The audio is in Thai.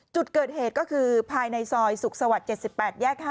จุดเกิดเหตุก็คือภายในซอยสุขสวรรค์๗๘แยก๕